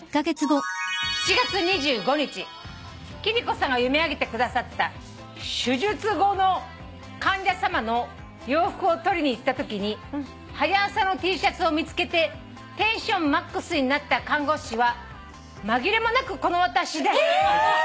「７月２５日貴理子さんが読み上げてくださった手術後の患者さまの洋服を取りに行ったときに『はや朝』のＴシャツを見つけてテンションマックスになった看護師は紛れもなくこの私です」